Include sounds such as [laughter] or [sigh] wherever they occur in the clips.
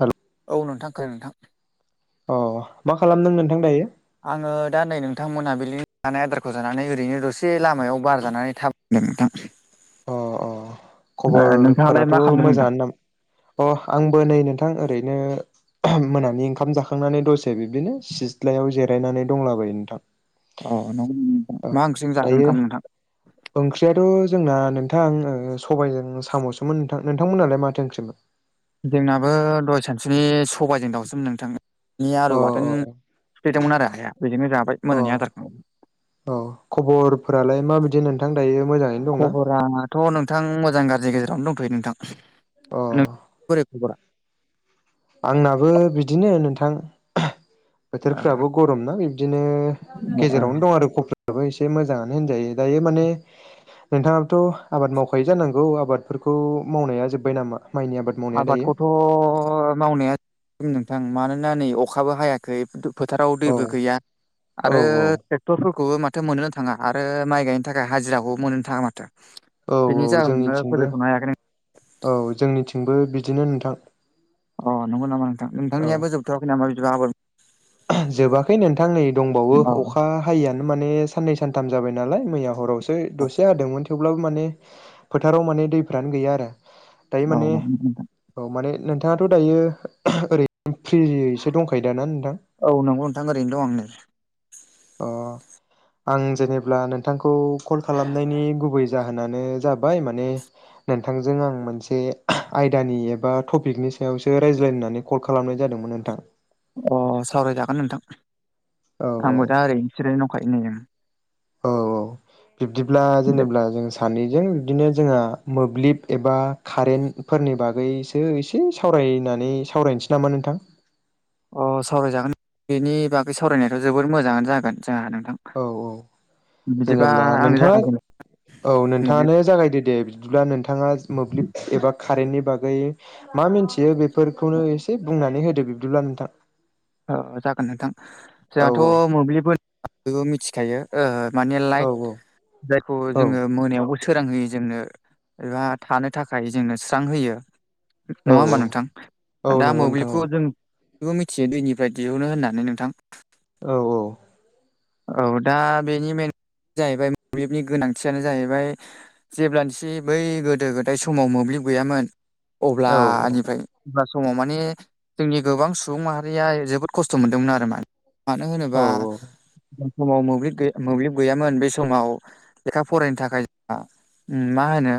हेल' औ नोंथां खोनादों नोंथां। अ मा खालामदों नोंथां दायो? आङो दा नै नोंथांमोनहा बि थानाय आदारखौ जानानै ओरैनो दसे लामायाव बार जानानै थाबाय दों नोंथां। अ अ ओ नोंथाङालाय खबरफोराथ' मा खालामदों नोंथां? मोजाङा नामा अ आंबो नै नों थां ओरैनो मोनानि ओंखाम जाखांनानै दसे बिब्दिनो सिथ्लायाव जिराय नानै दंलाबायो नोंथां। अ नों औ [inaudible] मा ओंख्रिजों जाखो दायो ओंखाम नोंथां? ओंख्रियाथ' जोंना नोंथां सबायजों साम'सोमोन नोंथां नोंथांमोनालाय माथो ओंख्रिमोन? जोंनाबो दहाय सानसुनि सबायजों दाउसोमोन नोंथां। नि आलु अ बाथोन अ सिफ्लेदोंमोन आरो आइया बेजोंनो जाबाय अ मोनानि आदारखौ। औ खबरफोरालाय माबायदि नोंथां दायो? मोजाङैनो दंना खबराथ' नोंथां मोजां गाज्रि गेजेरावनो दंथ'यो नोंथां। अ नों बोरै खबरा? आंनाबो बिदिनो नोंथां। बोथोरफ्राबो गरम ना बिबदिनो गेजेरावनो दं आरो क बो एसे मोजाङानो होनजायो दायो माने नोंथाङाबाथ' आबाद मावखायो जानांगौ आबादफोरखौ मावनाया जोब्बाय नामा? माइनि आबाद मावनाया दायो आबादखौथ' मावनाया नोंथां मानोना नै अखाबो हायाखै। फोथाराव औ दैबो गैया औ आरो ट्रेक्टर खौबो माथो मोननोनो थाङा आरो माइ गायनो थाखाय हाजिराखौबो मोनोनो थाङा माथो। औ औ बेनि जाहोनावनो जोंनिथिंबो फोजोबथ'नो हायाखै नों औ जोंनिथिंबो बिदिनो नोंथां। अ नंगौ नामा नोंथां औ नोंथांनियाबो जोबथ'वाखै नामा बिदिबा आब जोबाखै नोंथां नै दंबावो अ अखा हायैआ माने साननै सानथाम जाबाय नालाय मैया हरावसो दसे हादोंमोन। थेवब्लाबो माने फोथाराव माने दैफोरानो गैया आरो दायो औ माने नंगौ नोंथां औ माने नोंथांआथ' दायो ओरैनो फ्रियैसो दंखायोदा ना नोंथां? औ नंगौ नोंथां ओरैनो दं आं नै। अ आं जेनेब्ला नोंथांखौ कल खालामनायनि गुबै जाहोनानो जाबाय माने नोंथांजों आं मोनसे आयदानि एबा टपिकनि सायावसो रायज्लायनानै कल खालामनाय जादों दोंमोनो नोंथां। अ सावरायजागोन नोंथां औ आंबो दा ओरैनोसो जिरायना दंखायो नै। औ औ बिब्दिब्ला दे जेनेबा जों सानैजों बिदिनो जोंहा मोब्लिब एबा कारेन्टफोरनि बागैसो एसे सावरायनानै सावराय सैनामा नोंथां? अ सावरायजागोन बेनि बागै सावरायनायाथ' जोबोर मोजाङानो जागोन। जोंहा नोंथां औ औ बिदिबा जेनेब्ला आंनो नोंथाङा जागायजेन औ मोब्लिब नोंथाङानो जागायदो दे बिदिब्ला नोंथाङा मोब्लिब एबा कारेन्टनि बागै गै मा मिथियो बेफोरखौनो एसे बुंनानै होदो बिब्दिब्ला नोंथां। औ जागोन नोंथां औ जोंहाथ' मोब्लिब होनोब्ला बयबो मिथिखायो ओ मानि औ लाइट जायखौ औ जोङो मोनायावबो सोरांहोयो जोंनो एबा थानो थाखाय जोंनो स्रांहोयो औ नङा ओमबा नोंथां औ दा नंगौ नोंथां मोब्लिबखौ औ जों मिथियो दैनि फ्राय दिहुनो होननानै नोंथां औ औ। औ दा बेनि मेन जाहैबाय मोब्लिबनि गोनांथियानो जाहैबाय जेब्लानोसि बै गोदो गोदाय समाव मोब्लिब गैयामोन औ अब्लानिफ्राय अब्ला समाव माने जोंनि गोबां सुबुं माहारिया जोबोद खस्थ' मोनदोंमोन आरो मा मानो औ होनोबा समाव मोब्लिबै मोब्लिब गैयामोन बे समाव लेखा फरायनो थाखाय जोंहा मा होनो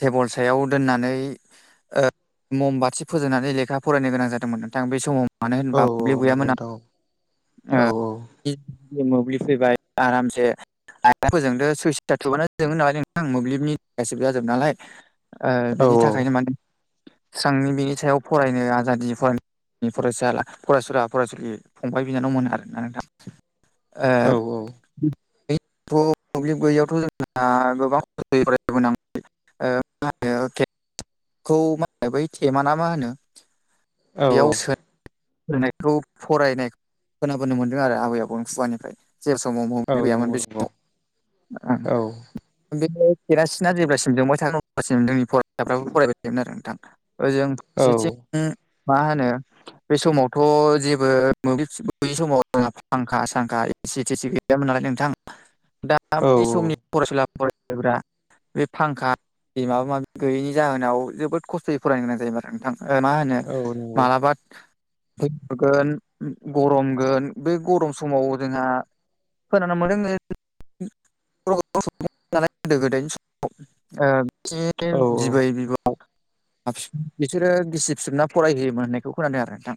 टेबोल सायाव दोननानै ओ मम बाथि फोजोंनानै लेखा फरायनो गोनां जादोंमोन नोंथां बै समाव मानो औ होनबा औ मोब्लिब नंगौ गैयामोन नोंथां औ आं ओ मोब्लि फैबाय आरामसे आइटआ फोजोंदो सुइस्थआ थुबानो जोंङो नालाय नोंथां मोब्लिबनि गासिबो जाजोबो नालाय औ बिनि थाखायनो माने स्रांनि बेनि सायाव फरायनो आजादि फरायनो फरायसा फरायसुला फरायसुलि फंबाय बिनानाव मोन आरो नोंथां औ औ ओ [unintelligible] मोब्लिब गैयियावथ' जोंहा गोबां [unintelligible] [unintelligible] खौ मा होनो बै थेमाना मा होनो? औ औ नायखौ फरायनाय खोनाबोनो मोन्दों आरो आबै आबौनि खुवानिफ्राय जे समाव औ मोभ्लिब गैयामोन नंगौ बे नंगौ समाव औ खेरासिना जेब्लासिम जोंबाय थागोन अब्लासिम जोंनि फरायसाफ्राबो फरायबाय थोमोन आरो नोंथां। जों औ फारसेथिं उम मा होनो बे समावथ' जेबो मोब्लिब सोब्लिब समाव जोंहा फांखा सांखा एसि थेसि गैयामोन नाथाय नोंथां दा बै समनि फरायसुला फरायसुलिफ्रा बे फांखा माबा माबि गैयैनि जाहोनाव जोबोद खस्थ'यै फरायनो गोनां जायोमोन आरो नोंथां। मा होनो औ नंगौ मालाबा गोन गरमगोन बे गरम समाव जोंहा खोनानो मोनदों [inaudible] [unintelligible] गोदो गोदायनि सम ओ खि औ बिबै बिबौ हाबसो बिसोरो गिसि फिसबना फरायहैयो मोनायखौ खोनादों आरो नोंथां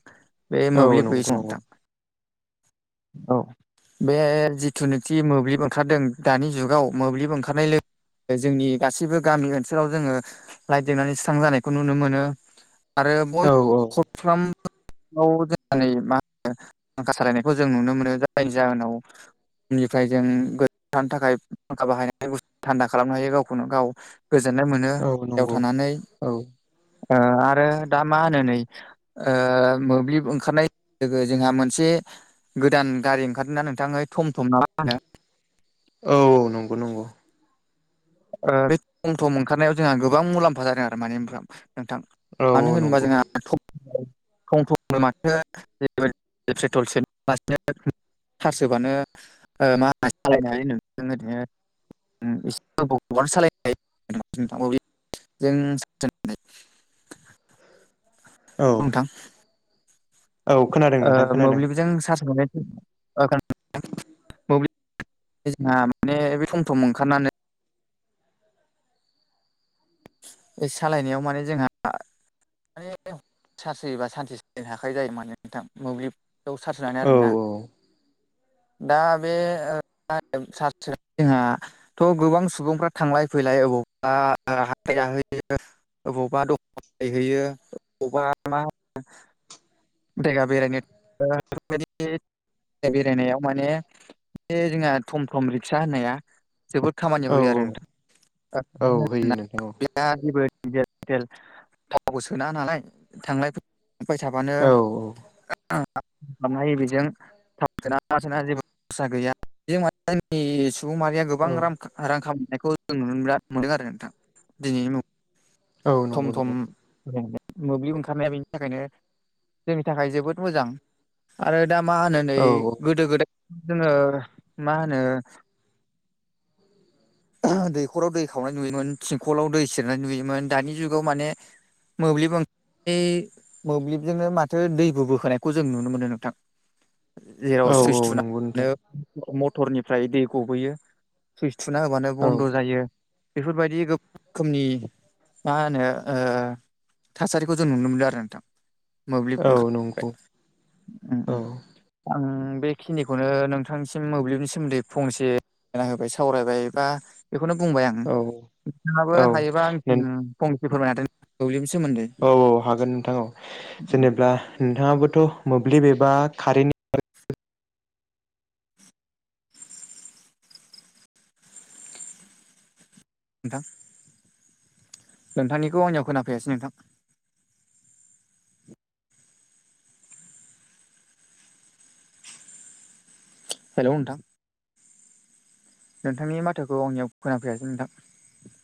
बे औ मोब्लिब बै नंगौ सम नंगौ नोंथां [inaudible] औ बे जिथुनाखि मोब्लिब ओंखारदों दानि जुगाव मोब्लिब ओंखारनाय लोगो जोंनि गासैबो गामि ओनसोलाव जोङो लाइट देरनानै सुस्रां जानायखौ नुनो मोनो औ औ थाम औ जों माने मा होनो फांखा सालायनायखौ जों नुनो मोनो जायनि जाहोनाव निफ्राय जों गो [unintelligible] थानो थाखाय फांखा बाहायनानै थान्दा खालामनो हायो गावखौनो गाव गोजोननाय मोनो जायाव नंगौ थानानै औ ओ आरो दा मा होनो नै ओ मोब्लिब ओंखारनाय लोगो जोंहा मोनसे गोदान गारि ओंखारनानै नोंथाङै थम थम ना मा होनो औ नंगौ नंगौ ओ बे थम थम ओंखारनायाव जोंहा गोबां मुलाम्फा जादों आरो माने नोंथां नोंथां औ मानो औ होनोबा नंगौ जोंहा तम तम माथो [unintelligible] पेट्रल सोालासिनो सारसहोबानो ओ मा होनो सालायनो हायो [unintelligible] ओरैनो बबनो सालायनाय [unintelligible] [inaudible] औ नोंथां औ खोनादों नोंथां ओ खोनादों मोब्लिबजों सार्ज होनानै औ खोनादों नोंथां मोब्लिब जोंहा माने बे सम सम ओंखारनानै बे सालायनायाव माने जोंहा माने सारस होयोबा सानसे साननै थाखायो जायोदों [unintelligible] नोंथां मोब्लिब बेयाव सार्ज होनानै औ आरोना [inaudible] दा बे [unintelligible] जोंहाथ' गोबां सुबुंफ्रा थांलाय फैलाय बबावबा हाथाय जाहोयो अबावबा दं हैयो अवबा मा देखा बेरायनो ओ बेफोरबादि बेरायनायाव माने बे जोंहा थम थम रिक्सा होननाया जोबोद खामानियाव औ होयो आरो औ होयो नोंथां नोंथां औ [unintelligible] गेलेल थावखौ सोना नालाय थांलाय फै फा [unintelligible] थाबानो औ खालामनो हायो बेजों थाव सोनाङा मा सोनाङा जेबो सा गैया [unintelligible] सुबुं माहारिया गोबां औ रां रां खामनायखौ जों नु नुदों आरो नोंथां दिनैनि मुं औ थम नंगौ थम नंगौ मोब्लिब ओंखारनाया बेनि थाखायनो जोंनि थाखाय जोबोद मोजां आरो दा मा होनो नै औ गोदो गोदाय जोङो मा होनो दैख'राव दै खावनाय नुयोमोन थिंखलाव दै सेरनाय नुयोमोन दानि जुगाव माने मोब्लिब ओं बे मोब्लिबजोंनो माथो दै बो बोखोनायखौ जों नुनो मोनो नोंथां। जेराव औ सुइस औ नंगौ थुनाानो नोंथां मटरनिफ्राय दै गबोयो सुइस थुना हो बानो औ बन्द' जायो। बेफोरबायदि गोबां रोखोमनि मा होनो ओ थासारिखौ जों नुनो मोनदों आरो नोंथां। मोब्लिब औ ओंखारबाय नंगौ ओम औ ओम आं बेखिनिखौनो नोंथांसिम मोब्लिबनि सोमोन्दै फंनैसे फोरमायना होबाय सावरायबाय बा बेखौनो बुंबाय आं औ नोंथाङाबो औ हायोबा आंनिसिम नों फंनैसो फोरमायना होदो मोब्लिबनि सोमोन्दै। औ औ हागोन नोंथां औ, जेनेब्ला नोंथाङाबोथ' मोब्लिब एबा खारेननि नोंथां नोंथांनिखौ आंनियाव खोनाफैयासै नोंथां। हेलौ नोंथां। नोंथांनि माथोखौ आंनियाव खोनाफैयासै नोंथां।